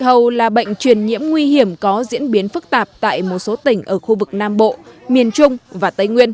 mặc dù bệnh truyền nhiễm nguy hiểm có diễn biến phức tạp tại một số tỉnh ở khu vực nam bộ